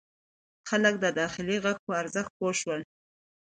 خلک د داخلي غږ په ارزښت پوه شول.